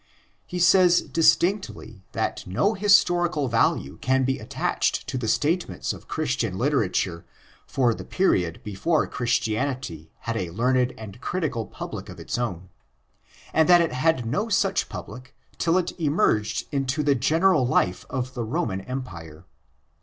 He says distinctly that no historical value can be attached to the statements of Christian literature for the period before Christianity had a learned and critical public of its own; and that it had no such public till it emerged into the general life of the Roman Empire.